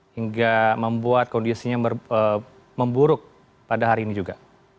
hingga membuat kondisinya memburuk pada hari ini juga